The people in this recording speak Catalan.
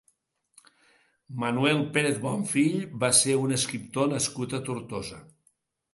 Manuel Pérez Bonfill va ser un escriptor nascut a Tortosa.